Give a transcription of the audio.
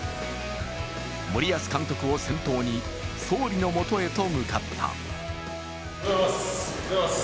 森保監督を先頭に、総理のもとへと向かった。